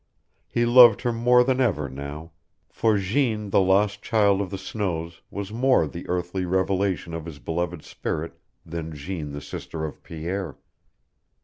He loved her more than ever now, for Jeanne the lost child of the snows was more the earthly revelation of his beloved spirit than Jeanne the sister of Pierre.